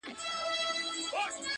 o خوريى د ماما د مېني لېوه دئ!